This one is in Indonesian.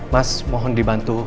mas mohon dibantu